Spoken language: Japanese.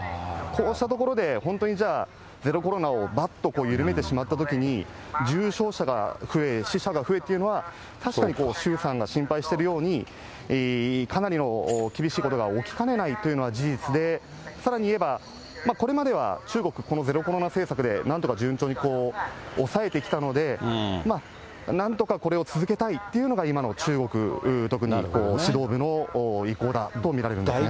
こうしたところで、本当にじゃあ、ゼロコロナをばっと緩めてしまったときに、重症者が増え、死者が増えっていうのは、確かに習さんが心配しているように、かなりの厳しいことが起きかねないというのは事実で、これまでは中国、このゼロコロナ政策で、なんとか順調に抑えてきたので、なんとかこれを続けたいっていうのが今の中国、特に指導部の意向だと見られるんですね。